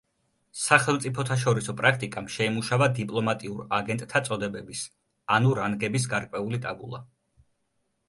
სახელმწიფოთაშორისო პრაქტიკამ შეიმუშავა დიპლომატიურ აგენტთა წოდებების, ანუ რანგების გარკვეული ტაბულა.